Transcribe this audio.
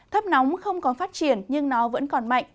thấp nóng không còn phát triển nhưng nó vẫn còn mạnh